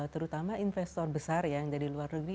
terutama investor besar yang dari luar negeri